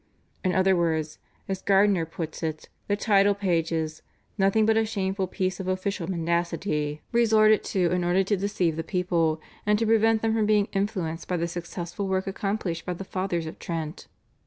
In other words, as Gairdner puts it, the title page is "nothing but a shameful piece of official mendacity" resorted to in order to deceive the people, and to prevent them from being influenced by the successful work accomplished by the Fathers of Trent.